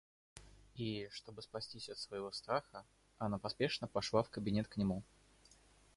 И, чтобы спастись от своего страха, она поспешно пошла в кабинет к нему.